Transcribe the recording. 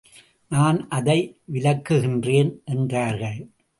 நான் அதை விலக்குகின்றேன் என்றார்கள்.